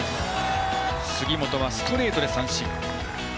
杉本はストレートで三振。